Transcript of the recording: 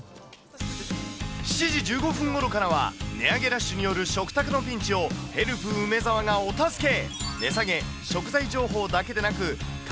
７時１５分ごろからは、値上げラッシュによる食卓のピンチを、ヘルプ梅澤がお助け。